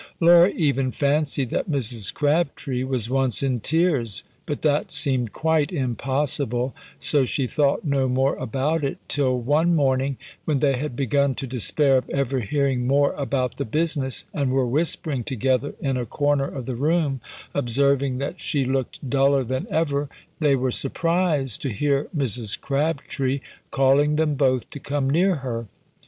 Laura even fancied that Mrs. Crabtree was once in tears, but that seemed quite impossible, so she thought no more about it, till one morning, when they had begun to despair of ever hearing more about the business, and were whispering together in a corner of the room, observing that she looked duller than ever, they were surprised to hear Mrs. Crabtree calling them both to come near her.